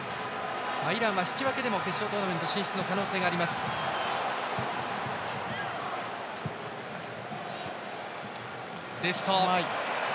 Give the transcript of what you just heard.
イランは引き分けでも決勝トーナメント進出の可能性があります。